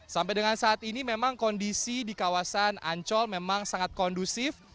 sampai dengan saat ini memang kondisi di kawasan ancol memang sangat kondusif